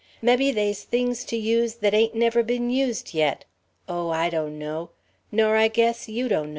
Mebbe they's things to use that ain't never been used yet.... Oh, I donno. Nor I guess you donno.